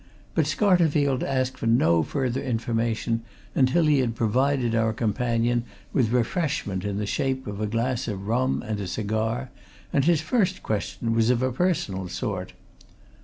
But Scarterfield asked for no further information until he had provided our companion with refreshment in the shape of a glass of rum and a cigar, and his first question was of a personal sort.